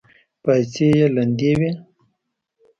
پايڅې يې لندې وې.